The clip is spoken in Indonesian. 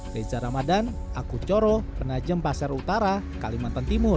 reza ramadan aku coro renajem pasir utara kalimantan timur